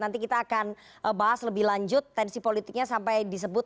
nanti kita akan bahas lebih lanjut tensi politiknya sampai disebut